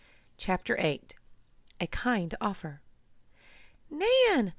CHAPTER VIII A KIND OFFER "Nan!"